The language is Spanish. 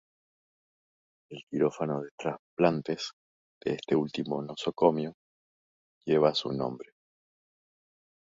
El quirófano de trasplantes de este último nosocomio lleva su nombre.